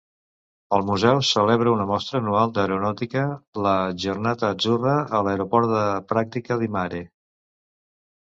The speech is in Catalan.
El museu celebra una mostra anual d'aeronàutica, la "Giornata Azzura", a l'aeroport de Pratica di Mare.